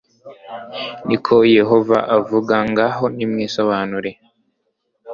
ni ko yehova avuga ngaho nimwisobanure